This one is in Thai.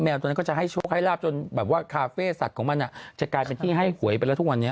แมวตัวนั้นก็จะชกให้ราบจนแคฟร์สัตว์ของมันจะกลายเป็นที่ให้หวยไปแล้วทุกวันนี้